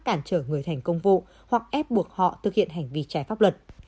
cản trở người thành công vụ hoặc ép buộc họ thực hiện hành vi trái pháp luật